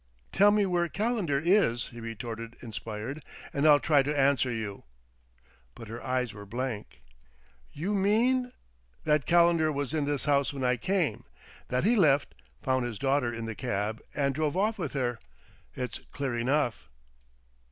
"Tell me where Calendar is," he retorted, inspired, "and I'll try to answer you!" But her eyes were blank. "You mean ?" "That Calendar was in this house when I came; that he left, found his daughter in the cab, and drove off with her. It's clear enough."